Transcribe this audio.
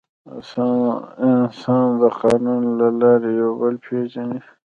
انسان د قانون له لارې یو بل پېژني.